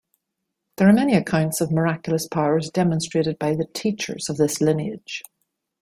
There are many accounts of miraculous powers demonstrated by the Teachers of this lineage.